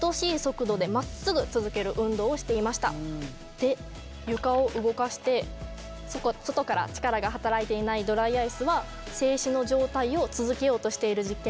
で床を動かして外から力が働いていないドライアイスは静止の状態を続けようとしている実験も行いました。